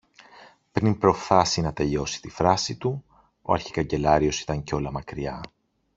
Πριν προφθάσει να τελειώσει τη φράση του, ο αρχικαγκελάριος ήταν κιόλα μακριά.